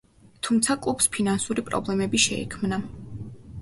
თუმცა კლუბს ფინანსური პრობლემები შეექმნა.